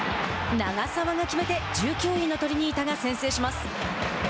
長沢が決めて１９位のトリニータが先制します。